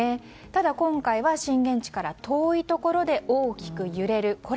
ただ今回は震源地から遠いところで大きく揺れる。